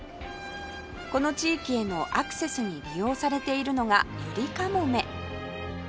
この地域へのアクセスに利用されているのがゆりかもめ